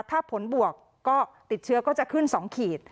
ถ้าผลบวกก็ติดเชื้อก็จะขึ้น๒ขีด